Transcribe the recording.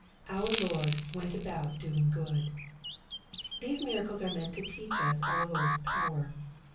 Our Lord " went about doing good.'' These miracles are meant to teach us our Lord's power.